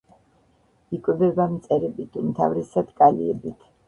იკვებება მწერებით, უმთავრესად კალიებით.